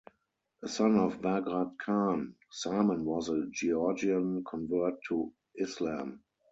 A son of Bagrat Khan, Simon was a Georgian convert to Islam.